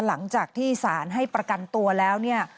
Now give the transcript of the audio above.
หลังจากที่สารให้ประกันตัวแล้วเนี่ย